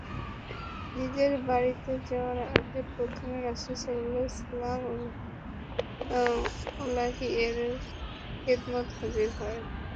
নিজের বাড়িতে যাওয়ার আগে প্রথমে রাসূল সাল্লাল্লাহু আলাইহি ওয়াসাল্লাম-এর খেদমতে হাজির হয়।